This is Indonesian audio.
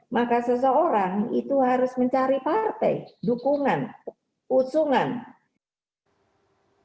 maka seseorang itu harus mencari partai dukungan usungan